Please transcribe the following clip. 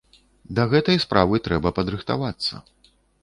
Да гэтай справы трэба падрыхтавацца.